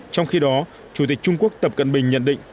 trong khi đó chủ tịch trung quốc tập cận bình nhận định